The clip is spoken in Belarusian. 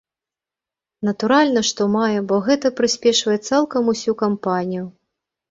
Натуральна, што мае, бо гэта прыспешвае цалкам усю кампанію.